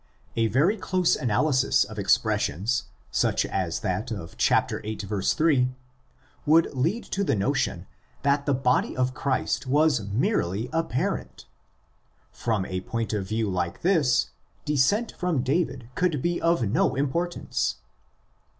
A very close analysis of expres sions such as that of vill.3 (ἐν ὁμοιώματι σαρκὸς ἁμαρτίας) would lead to the notion that the body of Christ was merely apparent. From a point of view like this, descent from David could be of no importance.